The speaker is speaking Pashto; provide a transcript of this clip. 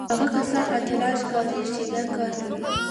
هغه کسان اتلان ښکارېږي چې دا کار کوي